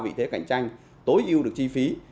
và có vị thế cạnh tranh tối ưu được chi phí